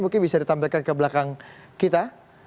mungkin bisa ditampilkan ke belakang kita